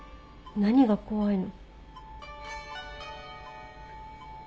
何が怖いの？